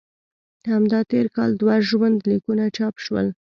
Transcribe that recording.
همدا تېر کال دوه ژوند لیکونه چاپ شول.